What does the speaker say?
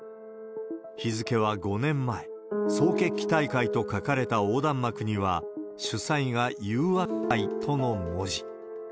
日付は５年前、総決起大会と書かれた横断幕には、主催が裕和会との文字。